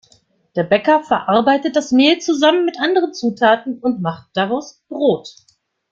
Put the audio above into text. Der Bäcker verarbeitet das Mehl zusammen mit anderen Zutaten und macht daraus Brot.